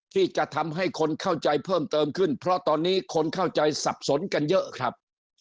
ที่จะทำให้คนเข้าใจเพิ่มเติมขึ้นเพราะตอนนี้คนเข้าใจสับสนกันเยอะครับ